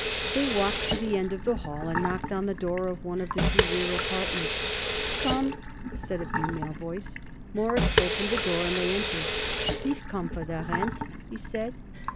They walked to the end of the hall and knocked on the door of one of the two rear apartments. "Come!" said a female voice. Morris opened the door and they entered. "We've come for the rent," he said.